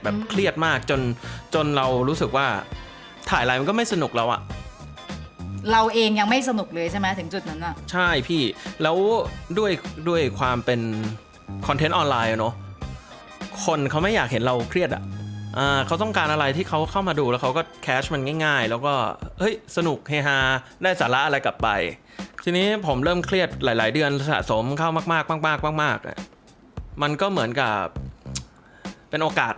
แบบเครียดมากจนจนเรารู้สึกว่าถ่ายไลน์มันก็ไม่สนุกแล้วอ่ะเราเองยังไม่สนุกเลยใช่ไหมถึงจุดนั้นอ่ะใช่พี่แล้วด้วยด้วยความเป็นคอนเทนต์ออนไลน์อ่ะเนาะคนเขาไม่อยากเห็นเราเครียดอ่ะอ่าเขาต้องการอะไรที่เขาเข้ามาดูแล้วเขาก็แคชมันง่ายง่ายแล้วก็เฮ้ยสนุกเฮฮาได้สาระอะไรกลับไปทีนี้ผมเริ่มเครียดหลายหลาย